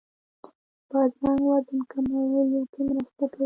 بادرنګ وزن کمولو کې مرسته کوي.